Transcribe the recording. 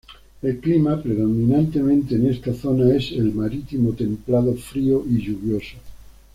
El Clima predominante en esta zona es el marítimo templado-frío y lluvioso.